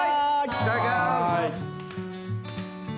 いただきます！